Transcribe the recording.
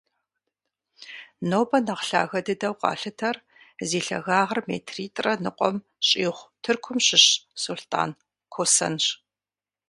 Нобэ нэхъ лъагэ дыдэу къалъытэр, зи лъагагъыр метритӏрэ ныкъуэм щӏигъу, Тыркум щыщ Сулътӏан Косэнщ.